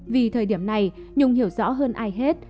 vì thời điểm này nhung hiểu rõ hơn ai hết